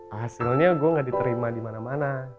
hasilnya gue gak diterima di mana mana